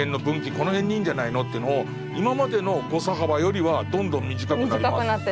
この辺にいんじゃないのっていうのを今までの誤差幅よりはどんどん短くなりますよね。